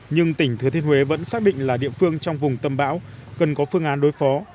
nhưng tỉnh thừa thiên huế vẫn xác định là địa phương trong vùng tâm bão cần có phương án đối phó